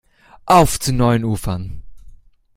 Auf zu neuen Ufern!